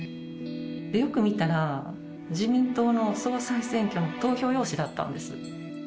よく見たら、自民党の総裁選挙の投票用紙だったんです。